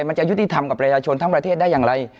มันจะยุติธรรมกับประชาชนทั้งประเทศได้อย่างไร